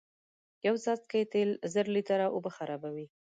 یو څاڅکی تیل زر لیتره اوبه خرابوی